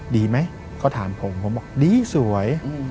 ดีไหมก็ถามผมผมบอกดีสวย